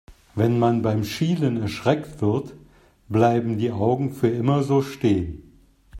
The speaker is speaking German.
Wenn man beim Schielen erschreckt wird, bleiben die Augen für immer so stehen.